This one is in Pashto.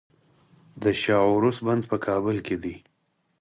د شاه و عروس بند په کابل کې دی